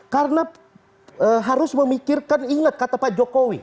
karena harus memikirkan inget kata pak jokowi